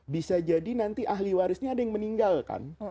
bisa jadi nanti ahli warisnya ada yang meninggalkan